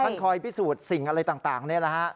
คอยพิสูจน์สิ่งอะไรต่างนี่แหละฮะ